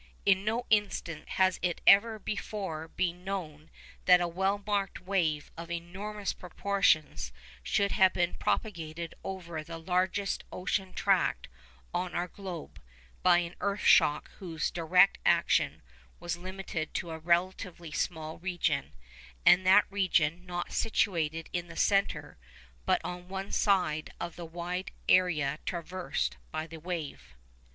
In no instance has it ever before been known that a well marked wave of enormous proportions should have been propagated over the largest ocean tract on our globe, by an earth shock whose direct action was limited to a relatively small region, and that region not situated in the centre, but on one side of the wide area traversed by the wave.